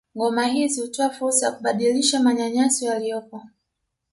Ngoma hizi hutoa fursa ya kubadilisha manyanyaso yaliyopo